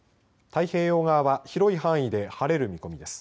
太平洋側は広い範囲で晴れる見込みです。